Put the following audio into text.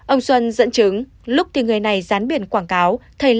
ông xuân dẫn chứng lúc thì người này dán biển quảng cáo